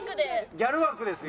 ギャル枠ですよ。